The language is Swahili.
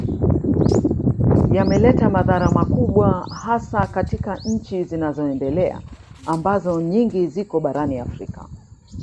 Yameleta madhara makubwa hasa katika nchi zinazoendelea ambazo nyingi ziko barani Afrika